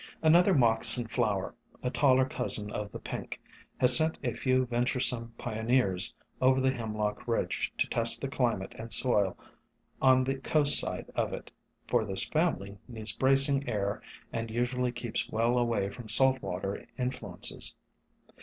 Another Moccasin Flower, a taller cousin of the Pink, has sent a few venturesome pioneers over the Hemlock ridge to test the climate and soil on the coast side of it, for this family needs bracing air and usually keeps well away from salt water in fluences.